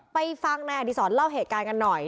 ไปฟังแนกที่สอนเล่าเฉกการกันหน่อย